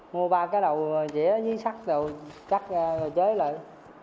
mua ba cái đầu chế dưới sắt rồi chắc chế lại